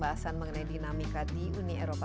pada saat pertama kali selama tujuh puluh tahun di eropa